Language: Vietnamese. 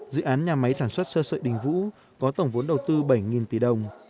dự án nhà máy sản xuất sơ sợi đình vũ có tổng vốn đầu tư bảy tỷ đồng